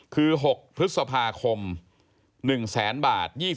คือ๖พฤษภาคม๑๐๐๐๐๐บาท